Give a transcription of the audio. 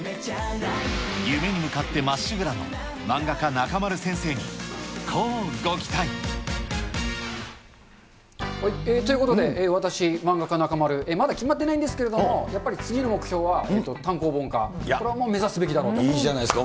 夢に向かってまっしぐらの漫画家、中丸先生にこうご期待。ということで、私、漫画家、中丸、まだ決まってないんですけれども、やっぱり次の目標は、単行本化、いいじゃないですか。